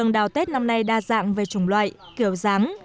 đào tết năm nay đa dạng về chủng loại kiểu dáng